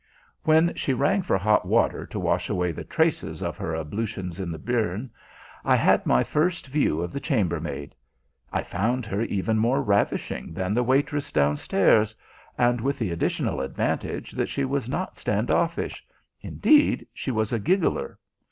When she rang for hot water to wash away the traces of her ablutions in the burn, I had my first view of the chambermaid. I found her even more ravishing than the waitress downstairs, and with the additional advantage that she was not stand offish indeed, she was a giggler.